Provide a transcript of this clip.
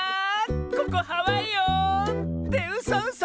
ここハワイよ！ってうそうそ！